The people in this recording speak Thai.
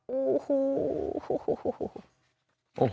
โอ้โห